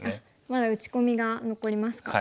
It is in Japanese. まだ打ち込みが残りますか。